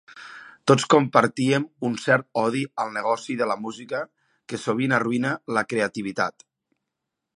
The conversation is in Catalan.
Tots compartíem un cert odi al negoci de la música que sovint arruïna la creativitat.